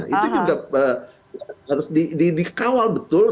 itu juga harus dikawal betul